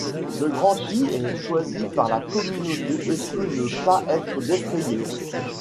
Le granthi est choisi par la communauté et peut ne pas être défrayé.